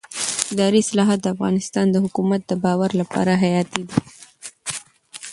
اداري اصلاحات د افغانستان د حکومت د باور لپاره حیاتي دي